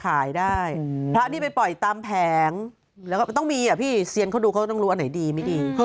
ขายได้พระที่ไปปล่อยตามแผงแล้วก็ต้องมีอ่ะพี่เซียนเขาดูเขาต้องรู้อันไหนดีไม่ดี